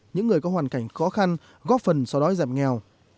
những người có hoàn cảnh khó khăn góp phần xóa đói giảm nghèo